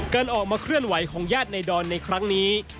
การออกมาเคลื่อนไหวของญาติในดอนในครั้งนี้